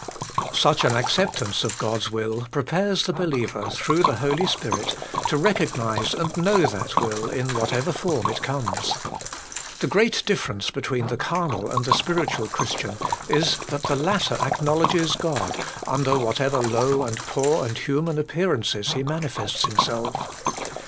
Such an acceptance of God's will prepares the believer, through the Holy Spirit, to recognise and know that will in whatever form it conies. The great difference between the carnal and the spiritual Christian is that the latter acknowledges God, under whatever low and poor and human appearances He manifests Himself.